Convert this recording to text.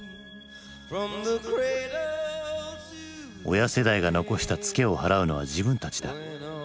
親世代が残したツケを払うのは自分たちだ。